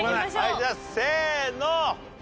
じゃあせーの。